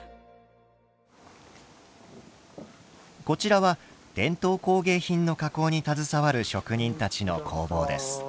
こちらは伝統工芸品の加工に携わる職人たちの工房です。